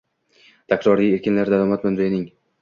Takroriy ekinlar - daromad manbaing